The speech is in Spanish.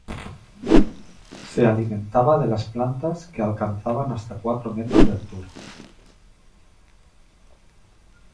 Se alimentaba de las plantas que alcanzaban hasta cuatro metros de altura.